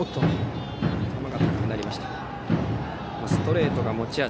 ストレートが持ち味。